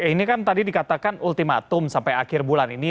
ini kan tadi dikatakan ultimatum sampai akhir bulan ini